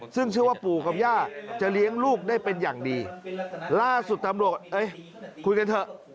ซึ่งเชื่อว่าปู่กับย่าจะเลี้ยงลูกได้เป็นอย่างดีล่าสุดตำรวจเอ้ยคุยกันเถอะ